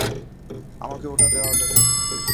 আমাকেও ওটা দেওয়া যাবে?